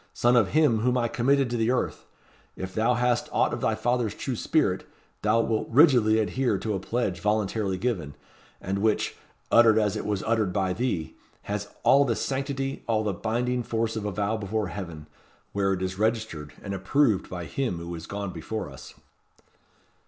son of him whom I committed to the earth! if thou hast aught of thy father's true spirit, thou wilt rigidly adhere to a pledge voluntarily given, and which, uttered as it was uttered by thee, has all the sanctity, all the binding force of a vow before Heaven, where it is registered, and approved by him who is gone before us."